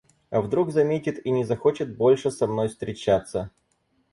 А вдруг заметит и не захочет больше со мной встречаться.